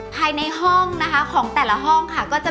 ภายในห้องนะคะของแต่ละห้องค่ะ